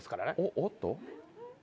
おっと。